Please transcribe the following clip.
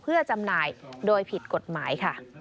เพื่อจำหน่ายโดยผิดกฎหมายค่ะ